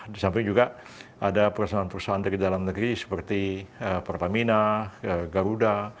di samping juga ada perusahaan perusahaan dari dalam negeri seperti pertamina garuda